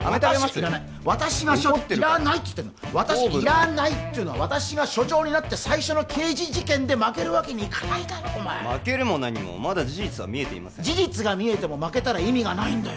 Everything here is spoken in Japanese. いらない私が怒ってるから糖分いらないっつってんの私いらないっていうの私が所長になって最初の刑事事件で負けるわけにいかないだろお前負けるも何もまだ事実は見えていません事実が見えても負けたら意味がないんだよ